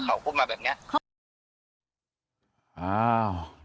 มันพูดกันแบบคือเขาพูดมาแบบเนี่ย